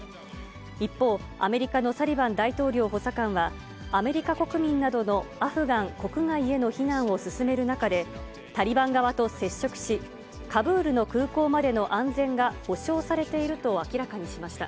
一方、アメリカのサリバン大統領補佐官は、アメリカ国民などのアフガン国外への避難を進める中で、タリバン側と接触し、カブールの空港までの安全が保証されていると明らかにしました。